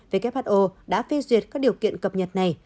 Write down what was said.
who đã phê duyệt các điều kiện cập nhật này